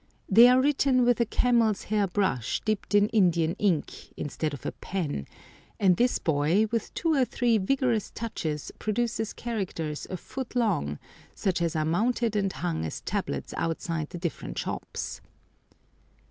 They are written with a camel's hair brush dipped in Indian ink, instead of a pen, and this boy, with two or three vigorous touches, produces characters a foot long, such as are mounted and hung as tablets outside the different shops.